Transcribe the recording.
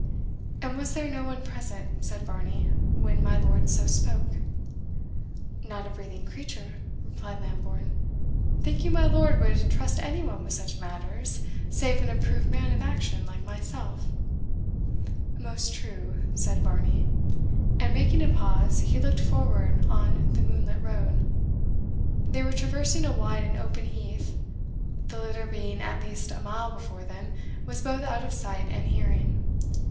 "And was there no one present," said Varney, "when my lord so spoke?" "Not a breathing creature," replied Lambourne. "Think you my lord would trust any one with such matters, save an approved man of action like myself?" "Most true," said Varney; and making a pause, he looked forward on the moonlight road. They were traversing a wide and open heath. The litter being at least a mile before them, was both out of sight and hearing.